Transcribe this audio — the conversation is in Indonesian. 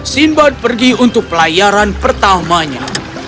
sinbad pergi untuk pelayaran pertamanya